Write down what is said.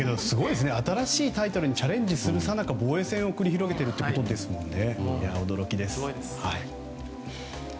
新しいタイトルにチャレンジするさなか防衛戦を繰り広げているということですもんね。